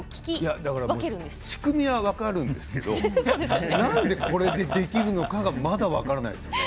仕組みは分かるんですけどなんでこれでできるのかがまだ分からないんです。